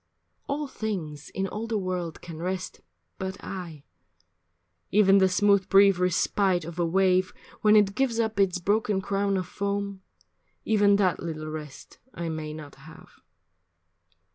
All things in all the world can rest, but I, Even the smooth brief respite of a wave When it gives up its broken crown of foam, Even that little rest I may not have.